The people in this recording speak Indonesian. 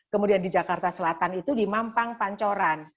kemudian di jakarta selatan itu di mampang pancoran